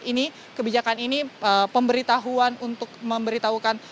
ini kebijakan ini pemberitahuan untuk memberitahukan